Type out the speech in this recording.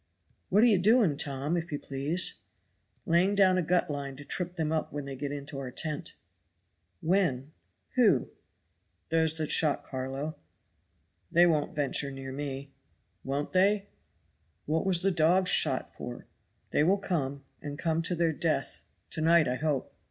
"What are you doing, Tom, if you please?" "Laying down a gut line to trip them up when they get into our tent." "When who?" "Those that shot Carlo." "They won't venture near me. "Won't they? What was the dog shot for? They will come and come to their death; to night, I hope.